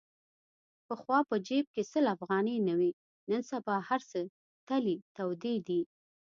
پخوا په جیب کې سل افغانۍ نه وې. نن سبا هرڅه تلې تودې دي.